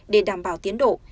để đảm bảo tiến độ